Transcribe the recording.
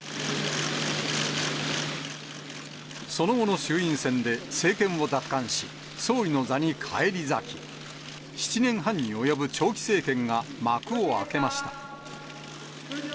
その後の衆院選で政権を奪還し、総理の座に返り咲き、７年半に及ぶ長期政権が幕を開けました。